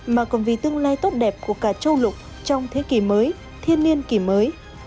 mà còn vì tương lai tốt đẹp của cả châu lục trong thế kỷ mới thiên niên kỷ mới